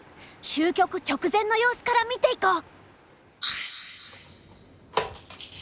終局直前の様子から見ていこう。